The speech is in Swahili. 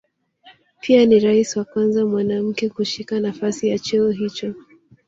Pia ni rais wa kwanza mwanamke kushika nafasi ya cheo hicho